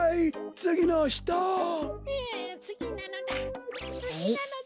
つぎなのだ。